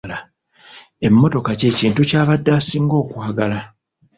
Emmotoka kye kintu ky'abadde asinga okwagala.